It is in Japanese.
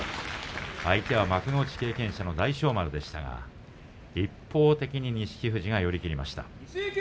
相手は幕内経験者の大翔丸でしたが一方的に錦富士が寄り切りました。